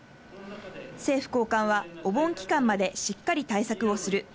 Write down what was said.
政府高官はお盆期間までしっかり対策をする。